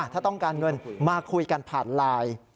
ถ้าต้องการเงินมาคุยกันผ่านไลน์